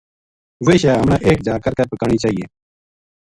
ویہ شے ہمنا ایک جا کر کے پکانی چاہیے